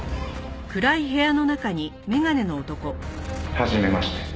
「はじめまして。